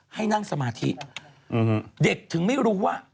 ให้นั่งสมาธิเด็กถึงไม่รู้ว่า